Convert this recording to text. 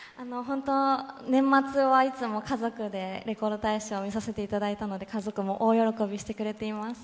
年末はいつも家族でレコード大賞を見させていただいたので家族も大喜びしてくれています。